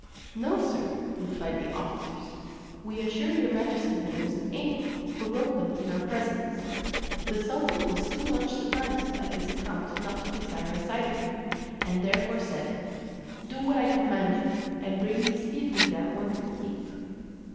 "No, Sir," replied the officers; "we assure your majesty that it was an ape, who wrote them in our presence." The sultan was too much surprised at this account not to desire a sight of me, and therefore said, "Do what I command you, and bring me speedily that wonderful ape."